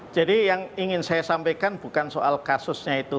yang ingin saya sampaikan bukan soal kasusnya itu